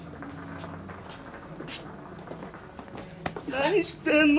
何してんの？